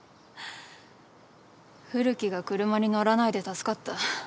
古木が車に乗らないで助かった。